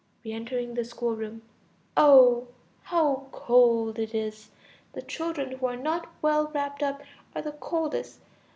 (Re entering the schoolroom.) Oh! how cold it is! The children who are not well wrapped up are the coldest.